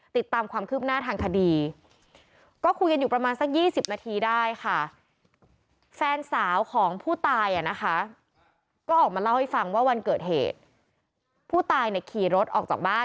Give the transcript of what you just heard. ติดตามความคืบหน้าทางคดีก็คุยกันอยู่ประมาณสัก๒๐นาทีได้ค่ะ